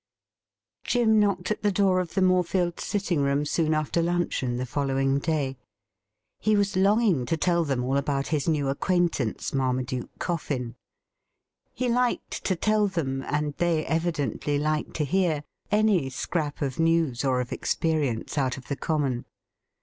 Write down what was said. Jim knocked at the door of the Morefields' sitting room soon after luncheon the following day. He was longing to tell theifl al) abput his new acquaintance, Marmaduke SOMEONE HAS BLUNDERED 77 CoiBn. He liked to tell them — and they evidently liked to hear — any scrap of news or of experience out of the common.